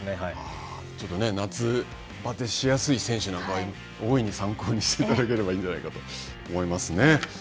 ちょっと夏ばてしやすい選手なんかは、大いに参考にしていただければいいんじゃないかと思いますね。